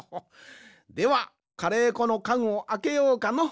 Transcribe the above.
ではカレーこのかんをあけようかの。